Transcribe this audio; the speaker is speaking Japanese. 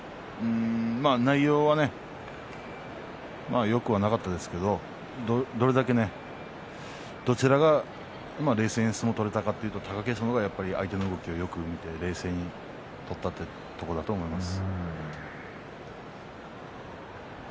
内容はよくなかったですがどちらが冷静に相撲を取れたかというと貴景勝の方が相手をよく見て冷静に相撲を取ったということです。